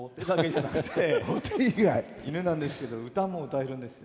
犬なんですけど歌も歌えるんです。